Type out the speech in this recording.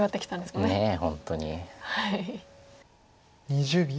２０秒。